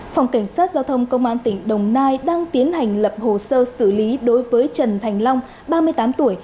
phòng cảnh sát giao thông công an tỉnh đồng nai đang tiến hành lập hồ sơ xử lý đối với trần thành long ba mươi tám tuổi